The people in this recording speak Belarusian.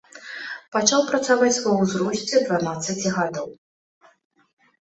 Пачаў працаваць ва ўзросце дванаццаці гадоў.